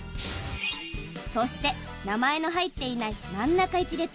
そして名前の入っていない真ん中１列。